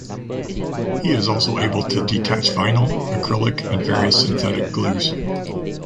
He is also able to detach vinyl, acrylic and various synthetic glues.